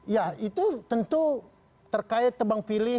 ya itu tentu terkait tebang pilih